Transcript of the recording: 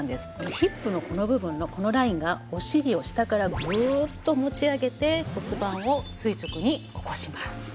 ヒップのこの部分のこのラインがお尻を下からグーッと持ち上げて骨盤を垂直に起こします。